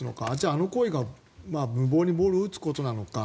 あの行為が無謀にボールを打つことなのか。